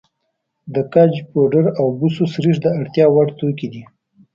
د ګچ پوډر او د بوسو سريښ د اړتیا وړ توکي دي.